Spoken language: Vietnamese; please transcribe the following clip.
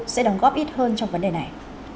sẽ đồng góp ít hơn trong vấn đề này